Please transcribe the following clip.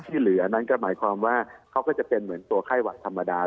เหลือนั่นก็หมายความว่าเขาก็จะเป็นเหมือนตัวไข้หวัดธรรมดา